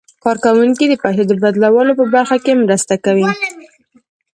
کارکوونکي د پيسو د بدلولو په برخه کې مرسته کوي.